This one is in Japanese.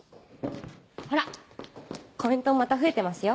ほらコメントまた増えてますよ。